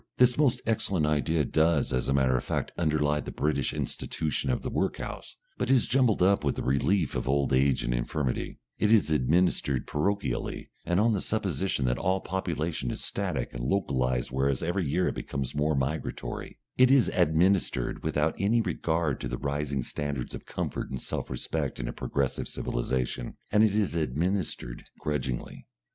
This most excellent idea does, as a matter of fact, underlie the British institution of the workhouse, but it is jumbled up with the relief of old age and infirmity, it is administered parochially and on the supposition that all population is static and localised whereas every year it becomes more migratory; it is administered without any regard to the rising standards of comfort and self respect in a progressive civilisation, and it is administered grudgingly.